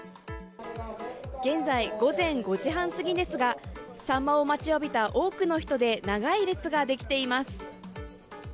現在午前５時半過ぎですがサンマを待ちわびた多くの人で長い列ができています。